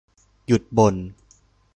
หยุดบ่น